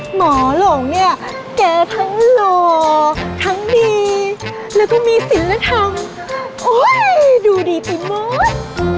หลงเนี่ยแกทั้งหล่อทั้งดีแล้วก็มีศิลธรรมโอ้ยดูดีไปหมด